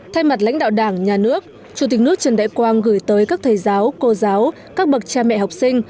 thay mặt lãnh đạo đảng nhà nước chủ tịch nước trần đại quang gửi tới các thầy giáo cô giáo các bậc cha mẹ học sinh